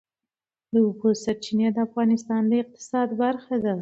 د اوبو سرچینې د افغانستان د اقتصاد برخه ده.